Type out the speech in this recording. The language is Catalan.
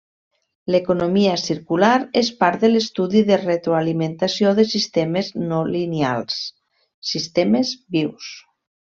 L'economia circular és part de l'estudi de retroalimentació de sistemes no lineals, sistemes vius.